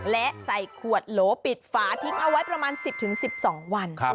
และใส่ขวดโหลปิดฝาทิ้งเอาไว้ประมาณ๑๐๑๒วัน